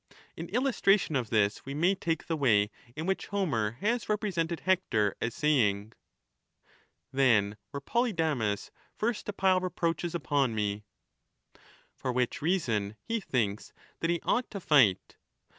In illustration of this we may take the way in which Homer has represented Hector as saying — Then were Polydamas first to pile reproaches upon me;^ for which reason he thinks that he ought to fight.